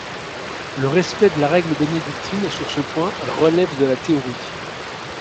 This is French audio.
Le respect de la règle bénédictine, sur ce point, relève de la théorie.